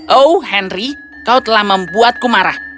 oh henry kau telah membuatku marah